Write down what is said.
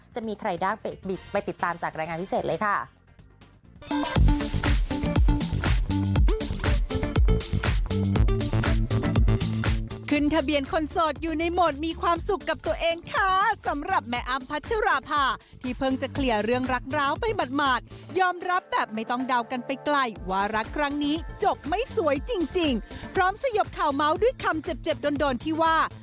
จะมีใครได้ไปติดตามจากรายงานพิเศษเลยค่ะ